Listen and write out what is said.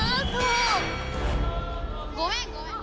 ごめんごめん！